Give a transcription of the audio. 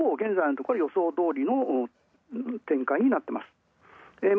ほぼ現在のところ予想どおりの展開になっています。